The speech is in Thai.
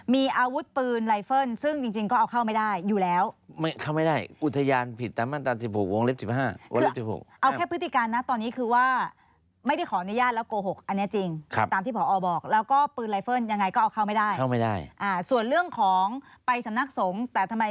มีอาวุธปืนไลเฟิลซึ่งจริงจริงก็เอาเข้าไม่ได้อยู่แล้วไม่เข้าไม่ได้อุทยานผิดตามมาตรา๑๖วงเล็บสิบห้าวงเล็บสิบหกเอาแค่พฤติการนะตอนนี้คือว่าไม่ได้ขออนุญาตแล้วโกหกอันนี้จริงตามที่ผอบอกแล้วก็ปืนไลเฟิลยังไงก็เอาเข้าไม่ได้เข้าไม่ได้อ่าส่วนเรื่องของไปสำนักสงฆ์แต่ทำไม